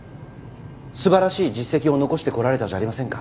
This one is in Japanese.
素晴らしい実績を残してこられたじゃありませんか。